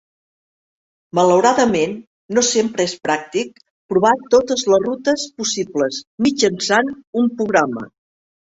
Malauradament, no sempre és pràctic provar totes les rutes possibles mitjançant un programa.